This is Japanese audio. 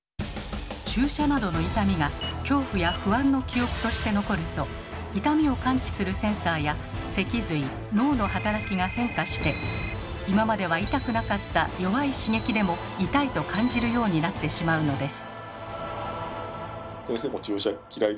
注射などの痛みが恐怖や不安の記憶として残ると痛みを感知するセンサーや脊髄脳の働きが変化して今までは痛くなかった弱い刺激でも痛いと感じるようになってしまうのです。